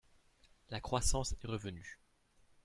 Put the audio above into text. La croissance est revenue